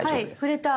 触れた。